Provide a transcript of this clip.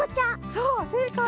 そうせいかい！